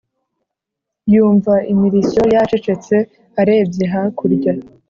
yumva imirishyo yacecetse arebye hakurya